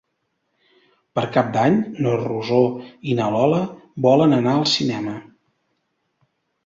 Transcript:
Per Cap d'Any na Rosó i na Lola volen anar al cinema.